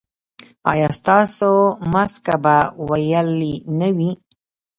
ایا ستاسو مسکه به ویلې نه وي؟